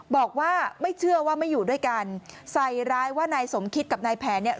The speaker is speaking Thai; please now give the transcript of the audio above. บอกว่าไม่เชื่อว่าไม่อยู่ด้วยกันใส่ร้ายว่านายสมคิดกับนายแผนเนี่ย